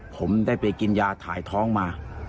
ผมได้ไปกินยาถ่ายท้องมา